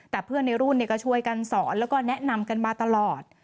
แต่เพื่อนในรุ่นก็ช่วยกันสอนแล้วก็แนะนำกันมาตลอด